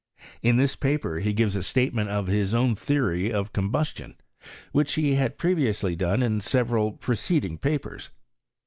In this paper he gives a statement ol his own theory of ctim buation, which he had previously done in several , preceding papers.